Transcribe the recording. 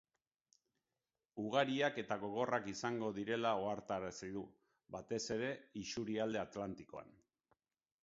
Ugariak eta gogorrak izango direla ohartarazi du, batez ere isurialde atlantikoan.